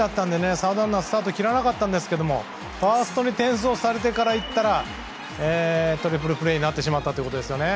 サードランナーはスタートを切らなかったんですがファーストに転送されてから行ったらトリプルプレーになってしまったということですね。